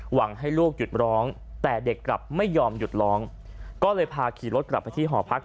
หวังให้ลูกหยุดร้องแต่เด็กกลับไม่ยอมหยุดร้องก็เลยพาขี่รถกลับไปที่หอพัก